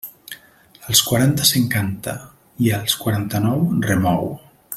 Als quaranta s'encanta, i als quaranta-nou remou.